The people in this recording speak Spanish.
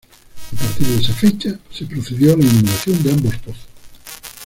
A partir de esa fecha se procedió a la inundación de ambos pozos.